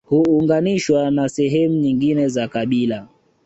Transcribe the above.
Huunganishwa na sehemu nyingine za kabila